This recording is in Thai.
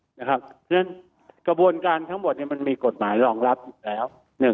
ซึ่งกระบวนการทั้งหมดมันมีกฎหมายรองรับอีกแล้ว